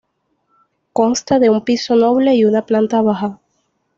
Consta de un piso noble y una planta baja.